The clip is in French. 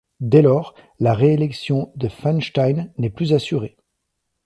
Dès lors, la réélection de Feinstein n'est plus assurée.